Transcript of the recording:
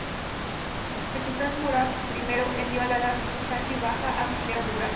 El sultán Murad I envió a Lala Shahin Bajá a auxiliar a Đurađ.